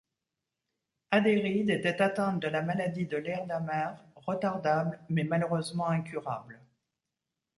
Adeyrid était atteinte de la maladie de Leerdamer, retardable mais malheureusement incurable.